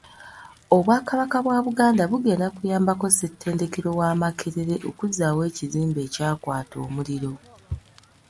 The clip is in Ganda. Obwakabaka bwa Buganda bugenda kuyambako Ssettendekero wa Makerere okuzzaawo ekizimbe ekyakwata omuliro.